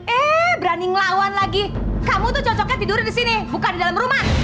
eh berani ngelawan lagi kamu tuh cocoknya tidur di sini bukan di dalam rumah